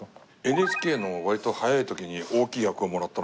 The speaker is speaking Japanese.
ＮＨＫの割と早い時に大きい役をもらったのが。